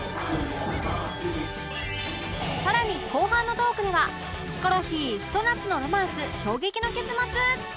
さらに後半のトークではヒコロヒーひと夏のロマンス衝撃の結末！